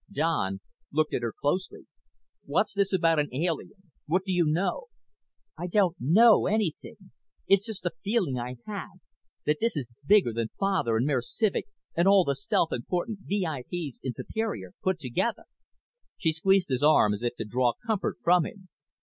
Don looked at her closely. "What's this about an alien? What do you know?" "I don't know anything. It's just a feeling I have, that this is bigger than Father and Mayor Civek and all the self important VIP's in Superior put together." She squeezed his arm as if to draw comfort from him.